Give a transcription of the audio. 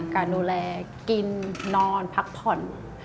การดูแลกินนอนพักผ่อน